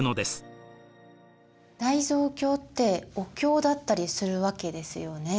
大蔵経ってお経だったりするわけですよね。